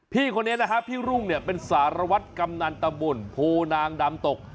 พี่คนนี้พี่ฤ่งเป็นสารวัฒน์กำนันตบนโภนางดำตก